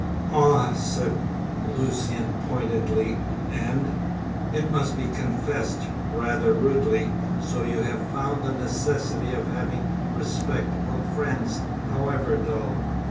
"Ah!" said Lucian pointedly and it must be confessed rather rudely, "so you have found the necessity of having respectable friends, however dull?"